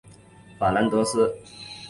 法兰德斯。